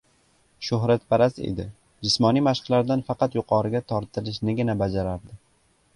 Shuhratparast edi… jismoniy mashqlardan faqat yuqoriga tortilishnigina bajarardi…